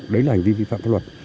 đấy là hành vi vi phạm pháp luật